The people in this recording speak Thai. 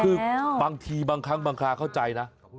คือบางทีบางครั้งบางคราเข้าใจนะ